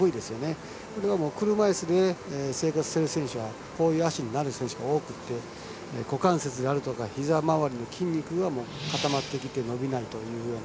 これが車いすで生活する選手はこういう足になる選手が多くて股関節だったりひざ周りの筋肉が固まっていて伸びないという。